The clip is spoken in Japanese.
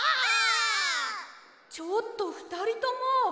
ちょっとふたりとも。